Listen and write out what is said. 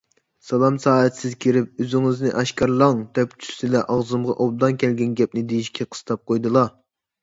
سالام سائەتسىز كىرىپ «ئۆزىڭىزنى ئاشكارىلاڭ» دەپ چۈشسىلە ئاغزىمغا ئوبدان كەلگەن گەپنى دېيىشكە قىستاپ قويىدىلا.